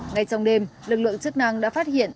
ngay trong đêm lực lượng chức năng đã phát hiện